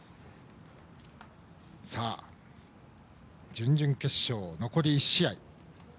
準々決勝、残り１試合。